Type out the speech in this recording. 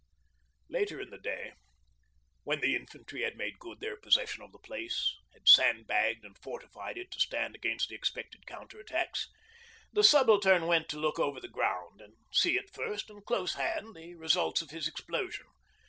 Later in the day, when the infantry had made good their possession of the place, had sandbagged and fortified it to stand against the expected counter attacks, the Subaltern went to look over the ground and see at first and close hand the results of his explosion.